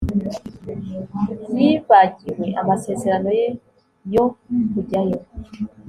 Yibagiwe amasezerano ye yo kujyayo